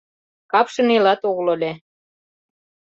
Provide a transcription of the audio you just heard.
Капше нелат огыл ыле.